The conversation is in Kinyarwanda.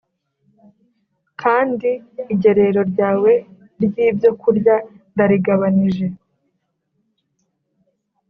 kandi igerero ryawe ry’ibyokurya ndarigabanije